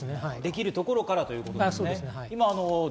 できるところからということですね。